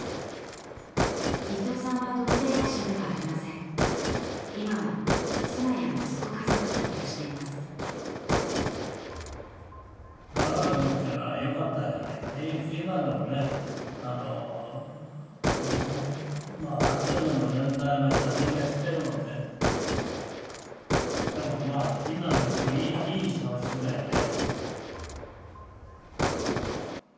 伊藤さんは同性愛者ではありません今は妻や息子家族と暮らしています「薔薇族」っていうのはよかったんじゃないの今でもねあのある程度の年代の人はみんな知ってるもんねでもまあ今見てもいい表紙だよね